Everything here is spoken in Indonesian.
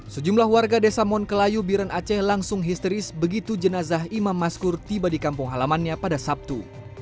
sejumlah warga desa monkelayu biren aceh langsung histeris begitu jenazah imam maskur tiba di kampung halamannya pada sabtu